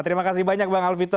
terima kasih banyak bang alvito